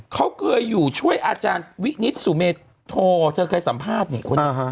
เขาเคยอยู่ช่วยอาจารย์วินิตสุเมโทเธอเคยสัมภาษณ์นี่คนนี้